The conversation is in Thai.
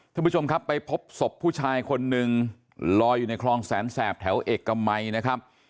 ท่านผู้ชมครับไปพบศพผู้ชายคนนึงลอยอยู่ในคลองแสนแสบแถวเอกมัยนะครับ